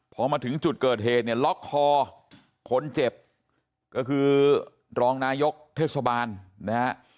พอมาถึงจุดเกิดเหตุเนี่ยล็อกคอคนเจ็บก็คือรองนายกเทศบาลนะฮะ